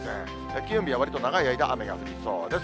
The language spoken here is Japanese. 金曜日はわりと長い間、雨が降りそうです。